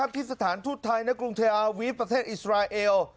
ที่สถานทูตไทยในกรุงเทอาวีฟประเทศอิสราเอล